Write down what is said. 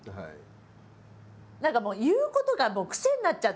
何かもう言うことが癖になっちゃってるんですよね。